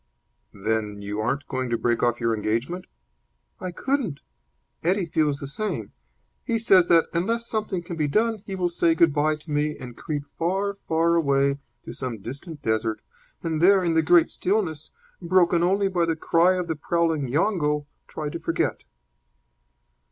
"Then you aren't going to break off your engagement?" "I couldn't. Eddie feels the same. He says that, unless something can be done, he will say good bye to me and creep far, far away to some distant desert, and there, in the great stillness, broken only by the cry of the prowling yongo, try to forget."